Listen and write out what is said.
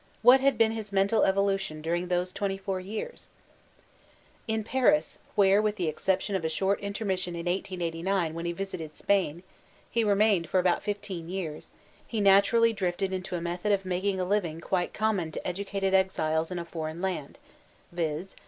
What had been hb mental evolution during those 24 jrears? Fbancisoo Fism 311 In Pkris» where, with the exception of a short inter misftion in 1889 when he visited Spain, he remained for about fifteen years, he naturally drifted into a method of making a living quite common to educated exiles in a for eign land; viz.